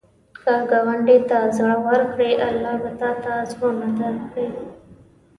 که ګاونډي ته زړه ورکړې، الله به تا ته زړونه ورکړي